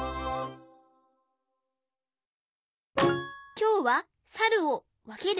きょうはサルをわける！